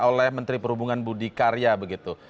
oleh menteri perhubungan budi karya begitu